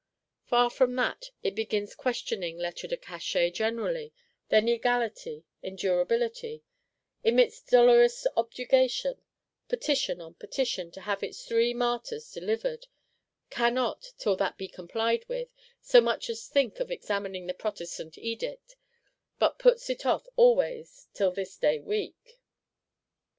Far from that, it begins questioning Lettres de Cachet generally, their legality, endurability; emits dolorous objurgation, petition on petition to have its three Martyrs delivered; cannot, till that be complied with, so much as think of examining the Protestant Edict, but puts it off always "till this day week."